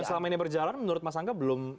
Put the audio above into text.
yang selama ini berjalan menurut mas angga belum